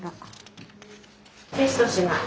テストします。